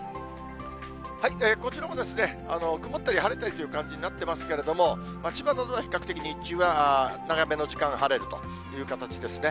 こちらも曇ったり晴れたりという感じになってますけれども、千葉などは比較的、日中は長めの時間晴れるという形ですね。